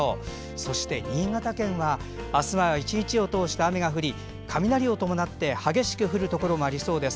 そして新潟県はあすは１日を通して雨が降り雷を伴って激しく降るところもありそうです。